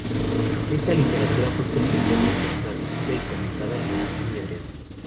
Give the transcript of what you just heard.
Esta literatura fue posteriormente traducida y comentada en latín y hebreo.